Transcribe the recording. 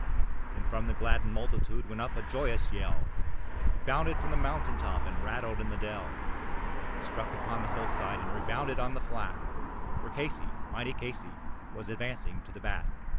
Then from the gladdened multitude went up a joyous yell, It bounded from the mountain top and rattled in the dell, It struck upon the hillside, and rebounded on the flat, For Casey, mighty Casey, was advancing to the bat.